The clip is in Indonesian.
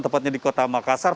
tepatnya di kota makassar